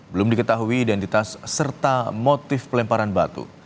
belum diketahui identitas serta motif pelemparan batu